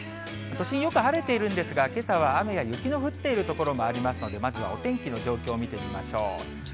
都心、よく晴れてるんですが、けさは雨や雪の降っている所もありますので、まずはお天気の状況を見てみましょう。